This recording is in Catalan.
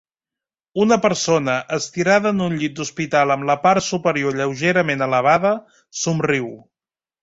Una persona, estirada en un llit d'hospital amb la part superior lleugerament elevada, somriu.